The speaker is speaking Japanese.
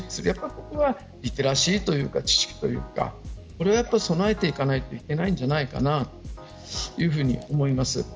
これはリテラシーというか知識というかこれを備えていかないといけないんじゃないかなそういうふうに思います。